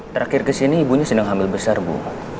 terakhir kesini ibunya sedang hamil besar bu